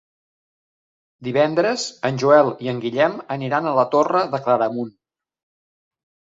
Divendres en Joel i en Guillem aniran a la Torre de Claramunt.